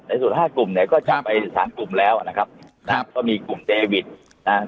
ในส่วน๕กลุ่มเนี่ยก็จับไป๓กลุ่มแล้วนะครับครับก็มีกลุ่มเจวิตนะครับ